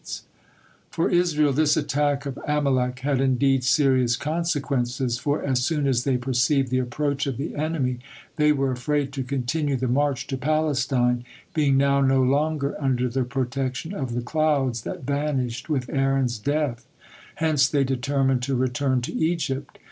For Israel this attack of Amalek had indeed serious consequences, for as soon as they perceived the approach of the enemy, they were afraid to continue the march to Palestine, being now no longer under the protection of the clouds, that vanished with Aaron's death; hence they determined to return to Egypt.